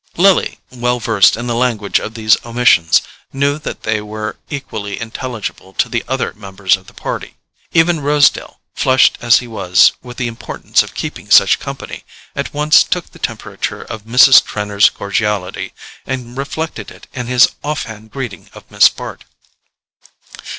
Lily, well versed in the language of these omissions, knew that they were equally intelligible to the other members of the party: even Rosedale, flushed as he was with the importance of keeping such company, at once took the temperature of Mrs. Trenor's cordiality, and reflected it in his off hand greeting of Miss Bart.